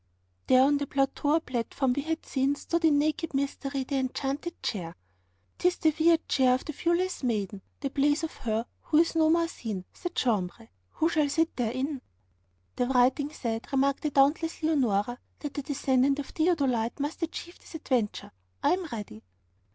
There, on the plateau, or platform, we had seen, stood, in naked mystery, the Enchanted Chair. ''Tis the weird chair of the Viewless Maiden, the place of Her who is no more seen,' said Jambres. 'Who shall sit therein?' 'The writing said,' remarked the dauntless Leonora, 'that a descendant of Theodolitê must achieve this adventure. I am ready.'